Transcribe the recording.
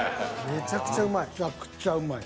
めっちゃくちゃうまい。